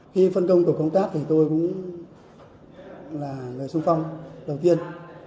khi phân công tổ công tác thì tôi cũng là người sung phong đầu tiên